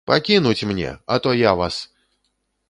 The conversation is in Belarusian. Пакінуць мне, а то я вас!